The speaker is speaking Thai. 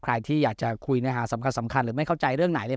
ใครที่อยากจะคุยนะฮะสำคัญสำคัญหรือไม่เข้าใจเรื่องไหนเลย